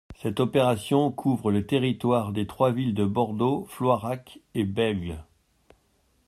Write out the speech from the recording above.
Cette opération couvre les territoires des trois villes de Bordeaux, Floirac et Bègles...